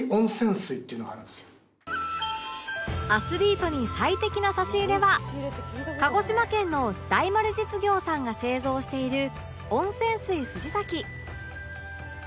アスリートに最適な差し入れは鹿児島県の大丸実業さんが製造している温泉水ふじさき